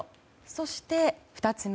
そして、２つ目。